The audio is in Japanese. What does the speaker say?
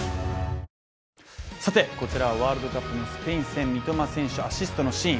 こちらワールドカップのスペイン戦、三笘選手、アシストのシーン。